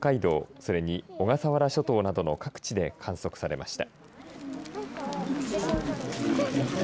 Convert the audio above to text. それに小笠原諸島などの各地で観測されました。